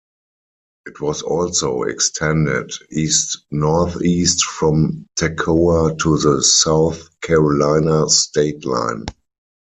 It was also extended east-northeast from Toccoa to the South Carolina state line.